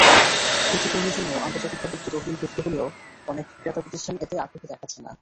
ক্ষতিপূরণের জন্য আন্তর্জাতিকভাবে একটি তহবিল গঠিত হলেও অনেক ক্রেতাপ্রতিষ্ঠান এতে আগ্রহ দেখাচ্ছে না।